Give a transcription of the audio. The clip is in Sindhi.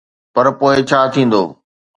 پر پوءِ ڇا ٿيندو؟